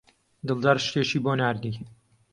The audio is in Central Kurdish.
دڵدار شتێکی بۆ ناردی.